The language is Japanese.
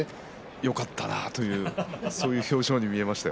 よかったなというそういう表情に見えましたよ。